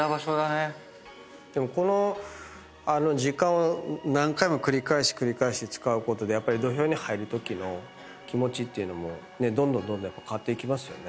でもこの時間何回も繰り返し繰り返し使うことでやっぱり土俵に入るときの気持ちっていうのもどんどん変わっていきますよね。